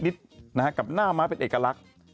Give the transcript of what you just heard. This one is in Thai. กับหน้าม้าเป็นเอกลักษณ์